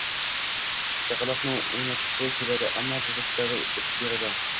Chaqaloqni o`ynatgisi keladi, ammo buvisi darrov urishib beradi